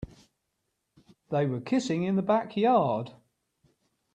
They were kissing in the backyard.